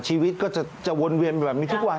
ชีวิตก็จะวนเวียนแบบนี้ทุกวัน